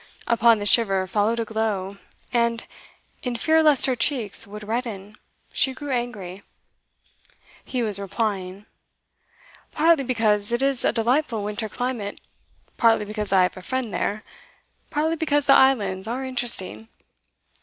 Upon the shiver followed a glow, and, in fear lest her cheeks would redden, she grew angry. He was replying. 'Partly because it is a delightful winter climate; partly because I have a friend there; partly because the islands are interesting.